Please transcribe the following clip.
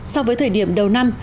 so với thời điểm đầu năm